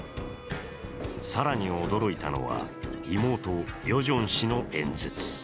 更に驚いたのは、妹、ヨジョン氏の演説。